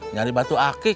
nyari batu akik